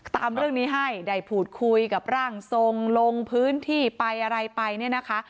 ตามเรื่องนี้ให้ได้พูดคุยกับร่างทรงลงพื้นที่ไปอะไรไปเนี่ยนะคะ